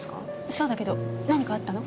そうだけど何かあったの？